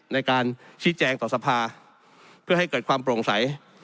ในการชี้แจงต่อสภาเพื่อให้เกิดความโปร่งใส